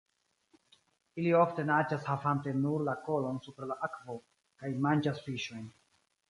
Ili ofte naĝas havante nur la kolon super la akvo kaj manĝas fiŝojn.